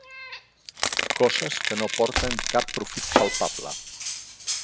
Coses que no porten cap profit palpable.